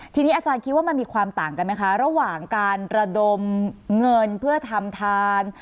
ทีนี้อาจารย์คิดว่ามันมีความต่างกันไหมคะระหว่างการระดมเงินเพื่อทำทาน